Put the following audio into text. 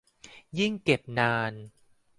ยิ่งเก็บนาน